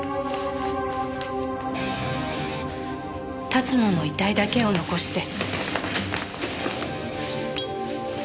龍野の遺体だけを残して。